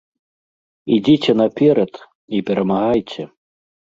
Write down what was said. Ідзіце наперад і перамагайце!